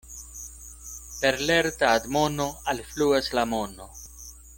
Per lerta admono alfluas la mono.